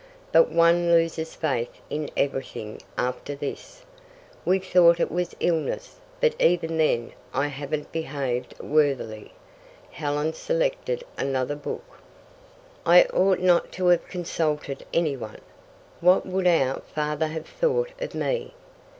"But one loses faith in everything after this." "We thought it was illness, but even then I haven't behaved worthily." Helen selected another book. "I ought not to have consulted anyone. What would our father have thought of me?"